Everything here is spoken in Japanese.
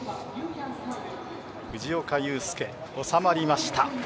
藤岡佑介、収まりました。